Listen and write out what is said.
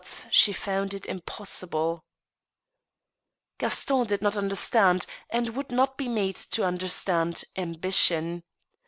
But she found it impossible. Gaston did not understand, and would not be made to under stand, ambition.